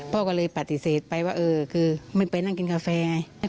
พ่อก็เลยปฏิเสธไปว่าเออคือไม่ไปนั่งกินกาแฟไง